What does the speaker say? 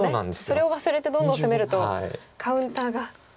それを忘れてどんどん攻めるとカウンターが。